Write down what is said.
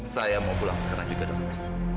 saya mau pulang sekarang juga dulu